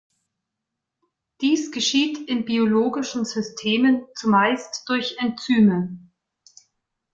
Dies geschieht in biologischen Systemen zumeist durch Enzyme.